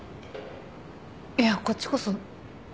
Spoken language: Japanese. いやこっちこそ。